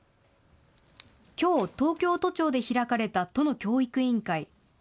きょう東京都庁で開かれた都の教育委員会。